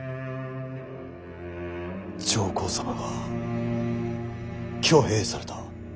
上皇様が挙兵された。